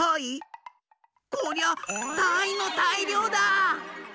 こりゃたいのたいりょうだ！